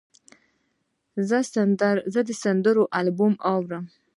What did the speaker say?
زه د سندرو البوم اورم.